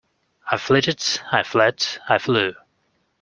I flitted, I fled, I flew.